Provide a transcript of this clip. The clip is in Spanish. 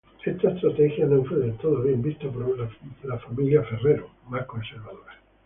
Esta estrategia no fue del todo bien vista por la familia Ferrero, más conservadora.